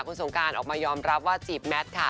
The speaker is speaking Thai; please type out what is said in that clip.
คุณสงการออกมายอมรับว่าจีบแมทค่ะ